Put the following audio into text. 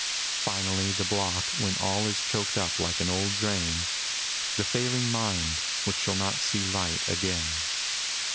Finally, the block, when all is choked up like an old drain, — ^the failing mind which shall not see light again."